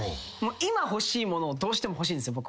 今欲しいものをどうしても欲しいんです僕は。